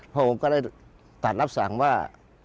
พระองค์ก็ได้ตัดรับสั่งว่า